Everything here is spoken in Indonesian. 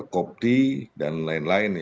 kopti dan lain lain